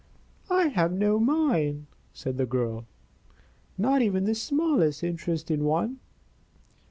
"I have no mine," said the girl. "Not even the smallest interest in one."